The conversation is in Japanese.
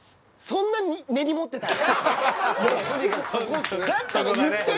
そんな根に持ってた？